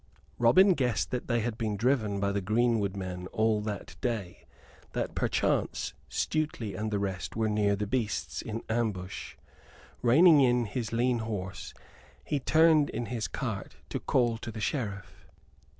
Robin guessed that they had been driven by the greenwood men all that day that perchance Stuteley and the rest were near the beasts, in ambush. Reining in his lean horse, he turned in his cart to call to the Sheriff.